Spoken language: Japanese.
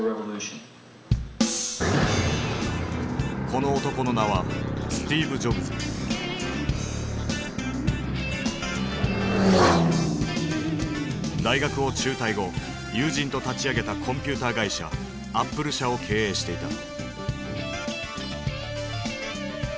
この男の名は大学を中退後友人と立ち上げたコンピューター会社アップル社を経営していた。